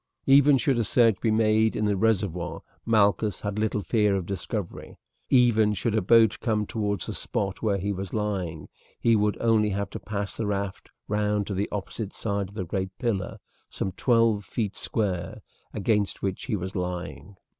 Even should a search be made in the reservoir, Malchus had little fear of discovery; for even should a boat come towards the spot where he was lying, he would only have to pass the raft round to the opposite side of the great pillar, some twelve feet square, against which he was lying.